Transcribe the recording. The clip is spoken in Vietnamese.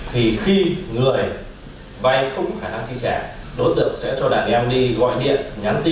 thì khi người vay không có khả năng chi trả đối tượng sẽ cho đàn em đi gọi điện nhắn tin